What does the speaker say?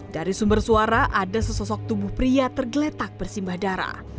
dari sumber suara ada sesosok tubuh pria tergeletak bersimbah darah